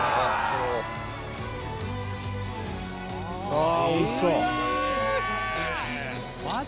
あおいしそう！